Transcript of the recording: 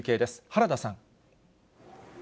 原田さん。